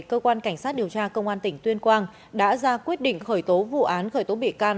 cơ quan cảnh sát điều tra công an tỉnh tuyên quang đã ra quyết định khởi tố vụ án khởi tố bị can